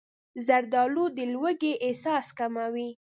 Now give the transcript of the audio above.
زردالو د لوږې احساس کموي.